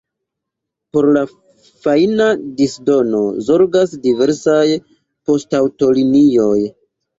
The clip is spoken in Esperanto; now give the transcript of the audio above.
Por la fajna disdono zorgas diversaj poŝtaŭtolinioj.